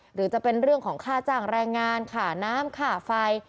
หรือจะเป็นเรื่องของค่าจ้างแรงงานค่าน้ำค่าไฟ